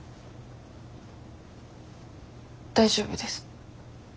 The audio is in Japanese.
大丈夫です。